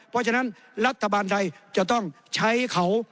เพราะฉะนั้นรัฐบาลไทยจะต้องใช้เขา